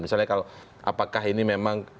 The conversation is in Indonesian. misalnya apakah ini memang